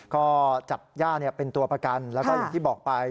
ก็จับย่าเป็นตัวประกันแล้วก็อย่างที่บอกไป